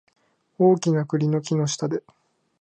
大きな栗の木の下で